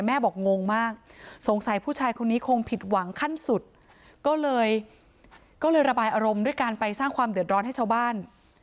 แม่บอกงงมากสงสัยผู้ชายคนนี้คงผิดหวังขั้นสุดก็เลยก็เลยระบายอารมณ์ด้วยการไปสร้างความเดือดร้อนให้ชาวบ้าน